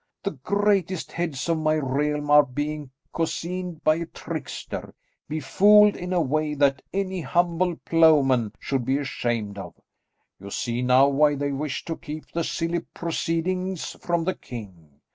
The greatest heads of my realm are being cozened by a trickster; befooled in a way that any humble ploughman should be ashamed of. You see now why they wish to keep the silly proceedings from the king.